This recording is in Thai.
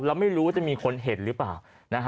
เราไม่รู้ว่าจะมีคนเห็นหรือเปล่านะฮะ